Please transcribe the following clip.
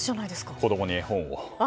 子供に絵本を。